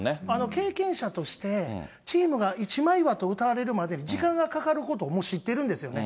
経験者として、チームが一枚岩とうたわれるまでに時間がかかることも、もう知ってるんですよね。